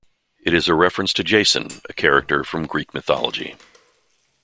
It is a reference to Jason, a character from Greek mythology.